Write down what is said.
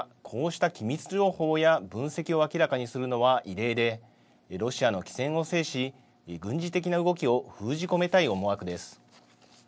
こうした機密情報や分析を明らかにするのは異例で、ロシアの機先を制し、軍事的な動きを封じ込めたい思惑です。